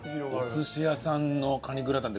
お寿司屋さんのカニグラタンって感じ。